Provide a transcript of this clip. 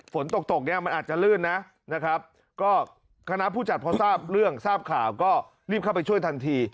ฝนตกตกเนี่ยมันอาจจะลื่นนะนะครับก็คณะผู้จัดพอทราบเรื่องทราบข่าวก็รีบเข้าไปช่วยทันที